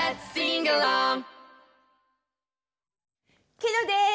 ケロです！